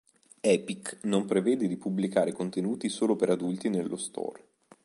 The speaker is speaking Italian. Epic non prevede di pubblicare contenuti solo per adulti nello store.